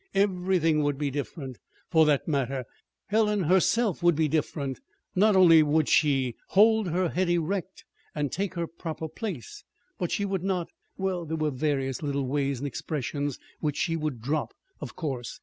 Everything would be different. For that matter, Helen herself would be different. Not only would she hold her head erect and take her proper place, but she would not well, there were various little ways and expressions which she would drop, of course.